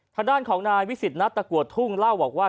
ทางด้านของนายวิสิตนัตตะกัวทุ่งเล่าบอกว่า